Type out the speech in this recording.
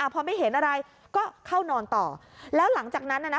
พอไม่เห็นอะไรก็เข้านอนต่อแล้วหลังจากนั้นน่ะนะ